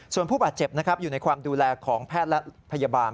ส่วนผู้บาดเจ็บนะครับอยู่ในความดูแลของแพทย์และพยาบาล